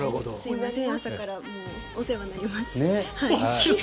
すいません朝からお世話になります。